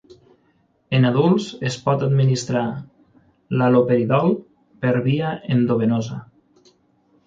En adults es pot administrar l'haloperidol per via endovenosa.